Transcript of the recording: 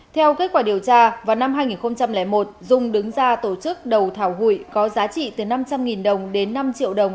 theo kết quả điều tra vào năm hai nghìn một dung đứng ra tổ chức đầu thảo hụi có giá trị từ năm trăm linh đồng đến năm triệu đồng